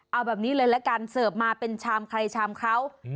เอาแบบนี้เลยละกันเสิร์ฟมาเป็นชามใครชามเขา